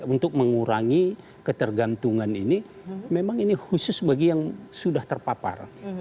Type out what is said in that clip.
untuk mengurangi ketergantungan ini memang ini khusus bagi yang sudah terpapar